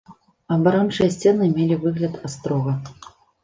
Абарончыя сцены мелі выгляд астрога.